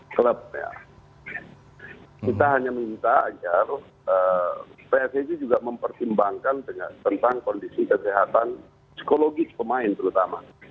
kita hanya minta agar pssi juga mempertimbangkan tentang kondisi kesehatan psikologis pemain terutama